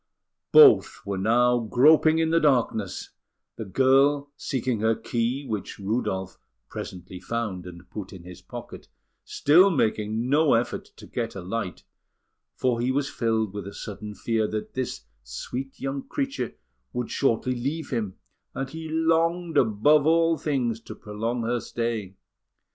Both were now groping in the darkness, the girl seeking her key, which Rudolf presently found and put in his own pocket, still making no effort to get a light; for he was filled with a sudden fear that this sweet young creature would shortly leave him, and he longed above all things to prolong her stay.